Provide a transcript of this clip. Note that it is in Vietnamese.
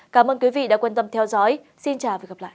cảm ơn quý vị đã quan tâm theo dõi xin chào và hẹn gặp lại